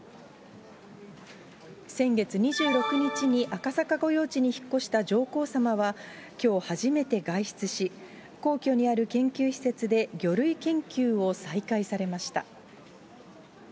先月２６日に赤坂御用地に引っ越した上皇さまはきょう初めて外出し、皇居にある研究施設で魚類研究を再開されました。